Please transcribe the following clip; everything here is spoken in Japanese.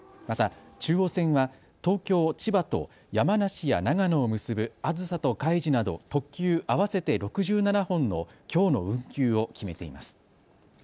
また中央線は東京、千葉と山梨や長野を結ぶ、あずさとかいじなど特急合わせて６７本のきょうの運休を決めています。